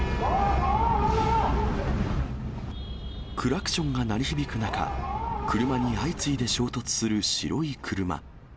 クラクションが鳴り響く中、車に相次いで衝突する白い車。